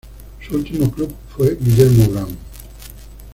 Su último club fue Guillermo Brown.